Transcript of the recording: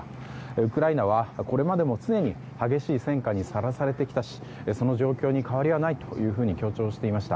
ウクライナはこれまでも常に激しい戦火にさらされてきたしその状況に変わりはないと強調していました。